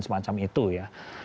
semacam itu ya